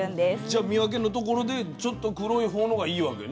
じゃ見分けのところでちょっと黒い方のがいいわけね。